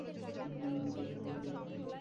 আমাদের এটা খুঁজার প্রয়োজন নেই।